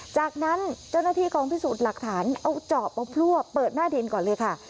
จากนั้นเจ้าหน้าที่กองพิสูจน์หลักฐานเอาจอบเอาพลั่วเปิดหน้าดินก่อนเลยค่ะ